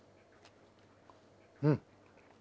うん。